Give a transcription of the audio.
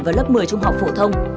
vào lớp một mươi trung học phổ thông